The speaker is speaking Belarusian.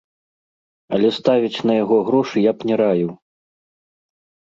Але ставіць на яго грошы я б не раіў.